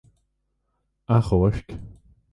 Achomhairc.